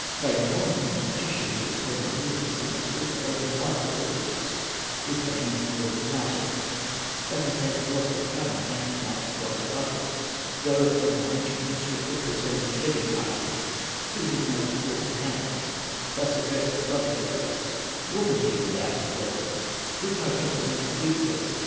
Wainamoinen, the magician, The eternal wizard singer, Sought to open wide the portals With the hands and words of magic; But his hands had lost their cunning, And his magic gone to others. Thereupon the ancient minstrel Quick returning, heavy hearted, To his native halls and hamlets, Thus addressed his brother heroes: "Woman, he without his weapons, With no implements, a weakling!